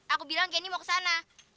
aku bilang candy mau kesana